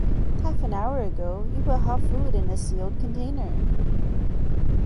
Half an hour ago, you put hot food in a sealed container.